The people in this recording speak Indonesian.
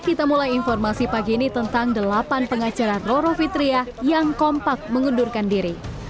kita mulai informasi pagi ini tentang delapan pengacara roro fitriah yang kompak mengundurkan diri